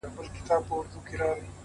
• د زړه په هر درب كي مي ته اوســېږې ـ